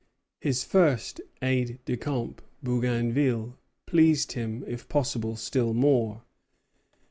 His first aide de camp, Bougainville, pleased him, if possible, still more.